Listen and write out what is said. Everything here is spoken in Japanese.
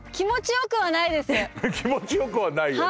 気持ちよくはないよね。